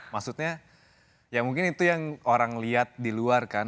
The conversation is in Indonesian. maksudnya ya mungkin itu yang orang lihat di luar kan